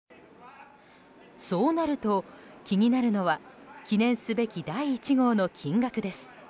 そうなると、気になるのは記念すべき第１号の金額です。